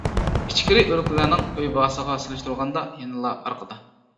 ئىچكىرى ئۆلكىلەرنىڭ ئۆي باھاسىغا سېلىشتۇرغاندا يەنىلا ئارقىدا.